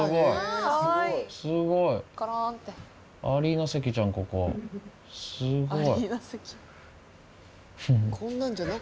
すごいアリーナ席じゃんここすごい。